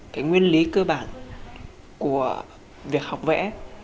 cái nguyên lý cơ bản của việc học vẽ